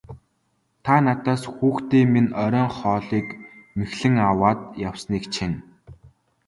Та надаас хүүхдүүдийн минь оройн хоолыг мэхлэн аваад явсныг чинь.